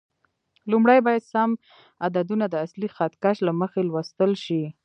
لومړی باید سم عددونه د اصلي خط کش له مخې لوستل شي.